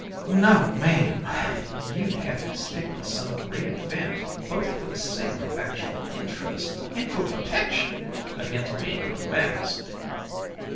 "No ma'am, you'd have to stick to some great event, both for the sake of actual interest and for protection against being unmasked."